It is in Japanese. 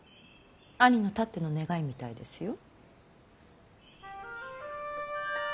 兄のたっての願いみたいですよ。